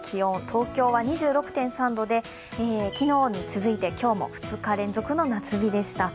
東京は２６．３度で昨日に続いて今日も２日連続の夏日でした。